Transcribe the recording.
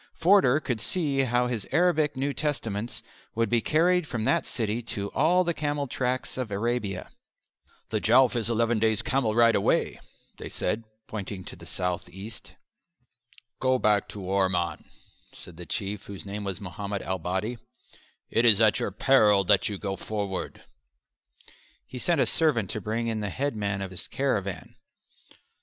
Forder could see how his Arabic New Testaments would be carried from that city to all the camel tracks of Arabia. "The Jowf is eleven days' camel ride away there," they said, pointing to the south east. [Illustration: FORDER'S JOURNEY TO THE JOWF.] "Go back to Orman," said the Chief, whose name was Mohammed el Bady, "it is at your peril that you go forward." He sent a servant to bring in the headman of his caravan.